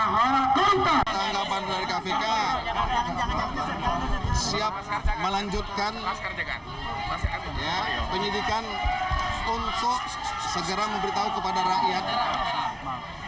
tanggapan dari kpk siap melanjutkan penyidikan untuk segera memberitahu kepada rakyat